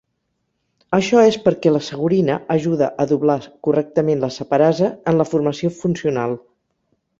Això és perquè la segurina ajuda a doblar correctament la separase en la formació funcional.